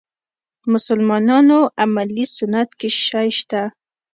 مسلمانانو عملي سنت کې شی شته.